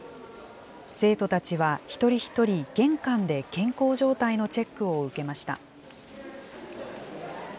生徒たちは一人一人、玄関で健康状態のチェックを受けました。